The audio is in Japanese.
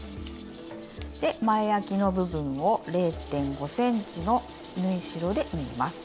前あきの部分を０．５ｃｍの縫い代で縫います。